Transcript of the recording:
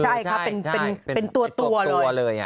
ใช่ครับเป็นตัวเลย